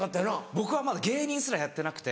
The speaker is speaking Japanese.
僕はまだ芸人すらやってなくて。